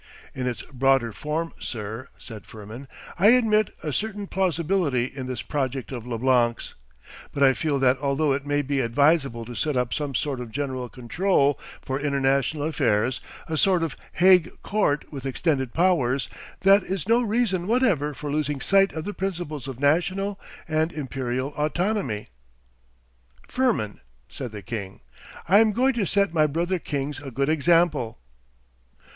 'In its broader form, sir,' said Firmin; 'I admit a certain plausibility in this project of Leblanc's, but I feel that although it may be advisable to set up some sort of general control for International affairs—a sort of Hague Court with extended powers—that is no reason whatever for losing sight of the principles of national and imperial autonomy.' 'Firmin,' said the king, 'I am going to set my brother kings a good example.